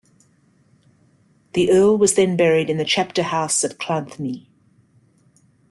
The Earl was then buried in the chapter-house at Llanthony.